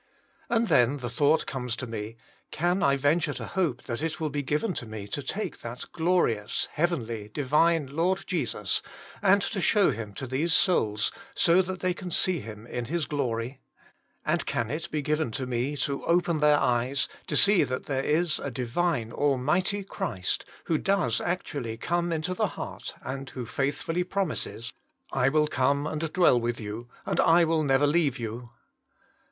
And then the thought comes to me. Can I venture to hope that it will be [381 Jesus Himself, 39 given to me to take that glorious, heav enly, divine Lord Jesus * and to show Him to these souls, so that they can see Him in His glory ? And can it be given to me to open their eyes to see that there is a Divine, Almighty Christ, who does actually come into the heart and who faithfully promises, *' I will come and dwell with you, and I will never leave you?